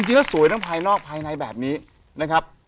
จริงแล้วสวยทั้งภายนอกภายในแบบนี้นะครับ